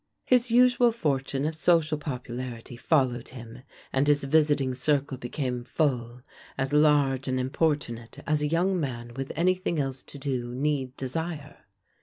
His usual fortune of social popularity followed him, and his visiting circle became full as large and importunate as a young man with any thing else to do need desire.